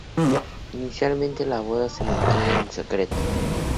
Inicialmente la boda se mantuvo en secreto.